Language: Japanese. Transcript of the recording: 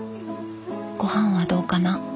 ごはんはどうかな。